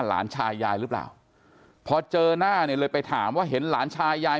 หลานชายยายหรือเปล่าพอเจอหน้าเนี่ยเลยไปถามว่าเห็นหลานชายยาย